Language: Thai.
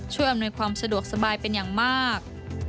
อำนวยความสะดวกสบายเป็นอย่างมาก